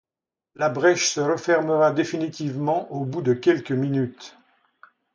La brèche se refermera définitivement au bout de quelques minutes.